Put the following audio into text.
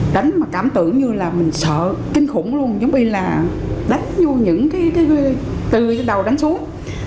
đánh mà cảm tưởng như là mình sợ kinh khủng luôn giống bị là đánh vô những cái từ đầu đánh xuống